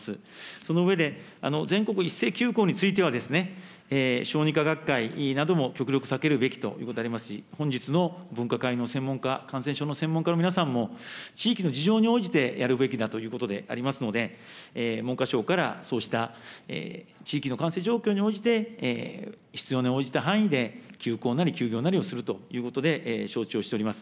その上で、全国一斉休校についてはですね、小児科学会などもきょくりょくさけるべきということでありますし本日の分科会の専門家、感染症の専門家の皆さんも、地域の事情に応じてやるべきだということでありますので、文科省からそうした地域の感染状況に応じて、必要に応じた範囲で、休校なり休業なりをするということで、承知をしております。